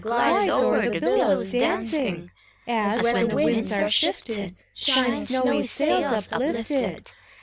Glides o'er the billows dancing? As, when the winds are shifted, Shine snowy sails, uplifted.